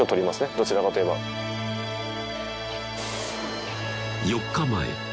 どちらかといえば４日前